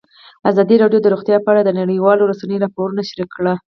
ازادي راډیو د روغتیا په اړه د نړیوالو رسنیو راپورونه شریک کړي.